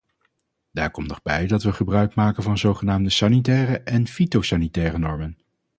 Daar komt nog bij dat we gebruikmaken van zogenoemde sanitaire en fytosanitaire normen.